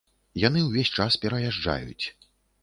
Яны ўвесь час пераязджаюць.